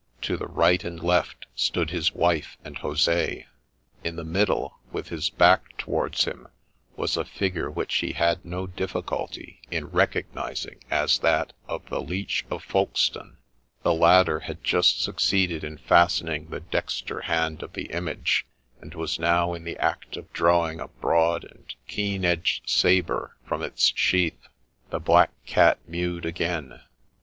To the right and left stood his wife and Jose ; in the middle, with his back towarfls him, was a figure which he had no difficulty in recognizing as that of the Leech of Folkestone. The latter had just succeeded in fastening the dexter hand of the image, and was now in the act of drawing a broad and keen edged sabre from its sheath. The Black Cat mewed again.